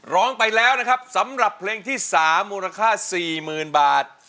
ร้องไปแล้วนะครับสำหรับเพลงที่๓มูลค่า๔๐๐๐บาท